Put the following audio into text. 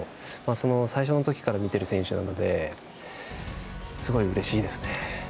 その最初の時から見ている選手なのですごいうれしいですね。